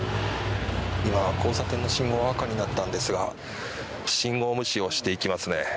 交差点の信号は赤になったのですが信号無視をしていきますね。